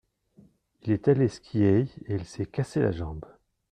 Il est allé skier et il s’est cassé la jambe.